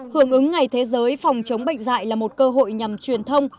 hưởng ứng ngày thế giới phòng chống bệnh dạy là một cơ hội nhằm truyền thông